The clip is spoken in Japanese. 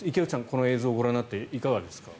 この映像をご覧になっていかがですか。